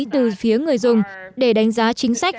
từ phía người dùng để đánh giá chính sách